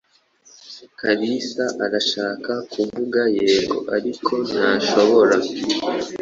Kalisa arashaka kuvuga yego, ariko ntashobora.